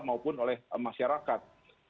maupun oleh masyarakat